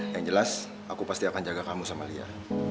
yang jelas aku pasti akan jaga kamu sama lia